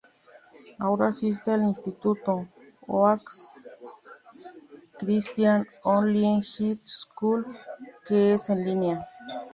Ahora asiste al instituto "Oaks Christian Online High School", que es en línea.